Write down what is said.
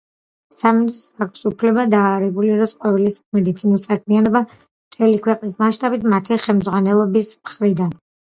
სამინისტროს აქვს უფლება დაარეგულიროს ყოველი სამედიცინო საქმიანობა მთელი ქვეყნის მასშტაბით, მათი ხელმძღვანელობის მხრიდან.